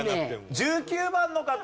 １９番の方。